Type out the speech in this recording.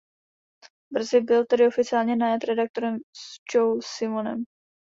Brzy byl tedy oficiálně najat redaktorem Joe Simonem.